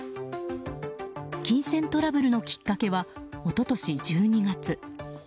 金銭トラブルのきっかけは一昨年１２月。